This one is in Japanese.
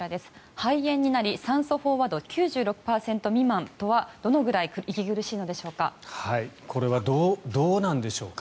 肺炎になり酸素飽和度９６％未満とはどのぐらい息苦しいのでしょうか。